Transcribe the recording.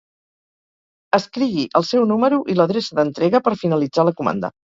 Escrigui el seu número i l'adreça d'entrega per finalitzar la comanda.